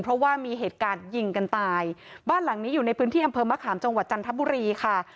เพราะว่ามีเหตุการณ์ยิงกันตายบ้านหลังนี้อยู่ในพื้นที่อำเภอมะขามจังหวัดจันทบุรีค่ะ